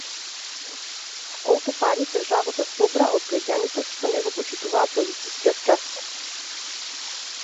Колку пари државата собра од граѓаните што не го почитуваа полицискиот час